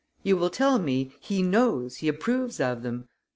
You will tell me, 'he knows, he approves of them.